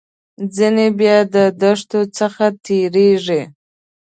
ځینې بیا له دښتو څخه تیریږي.